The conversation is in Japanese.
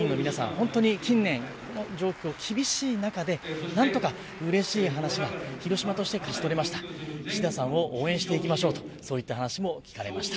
本当に近年、この状況が厳しい中でなんとかうれしい話が広島として勝ち取れました、岸田さんを応援しましょうとそういった話も聞かれました。